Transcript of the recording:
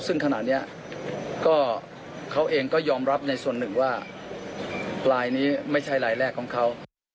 ซึ่งขณะนี้ก็เขาเองก็ยอมรับในส่วนหนึ่งว่าลายนี้ไม่ใช่ลายแรกของเขา